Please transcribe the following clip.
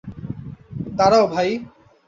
দাঁড়াও, ভাই।